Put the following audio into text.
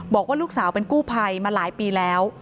บอกว่าลูกสาวเป็นกู้ภัยมาหลายปีแล้ว